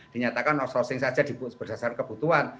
dinyatakan outsourcing saja berdasarkan kebutuhan